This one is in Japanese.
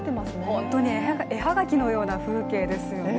本当に絵はがきのような風景ですよね。